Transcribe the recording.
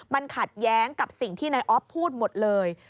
มันขัดแย้งกับสิ่งที่นายอ๊อฟพูดหมดเลย